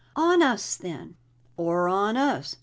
"On us, then!" "Or on us?"